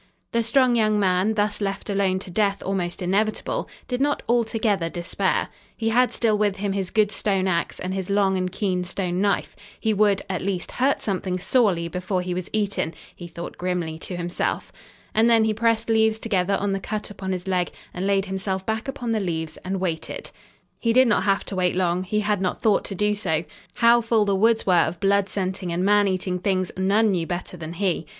The strong young man, thus left alone to death almost inevitable, did not altogether despair. He had still with him his good stone ax and his long and keen stone knife. He would, at least, hurt something sorely before he was eaten, he thought grimly to himself. And then he pressed leaves together on the cut upon his leg, and laid himself back upon the leaves and waited. He did not have to wait long. He had not thought to do so. How full the woods were of blood scenting and man eating things none knew better than he.